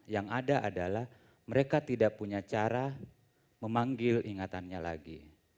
yang ada adalah mereka tidak punya cara memanggil ingatannya lagi